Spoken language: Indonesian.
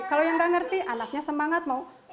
kalau yang nggak ngerti anaknya semangat mau